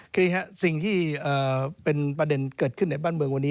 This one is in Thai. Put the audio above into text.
คือสิ่งที่เป็นประเด็นเกิดขึ้นในบ้านเมืองวันนี้